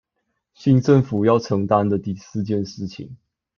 新政府要承擔的第四件事情